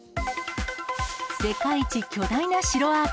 世界一巨大な城アート。